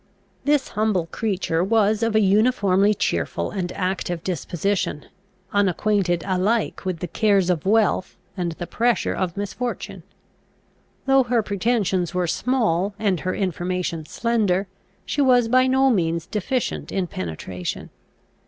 This humble creature was of a uniformly cheerful and active disposition, unacquainted alike with the cares of wealth and the pressure of misfortune. Though her pretensions were small, and her information slender, she was by no means deficient in penetration.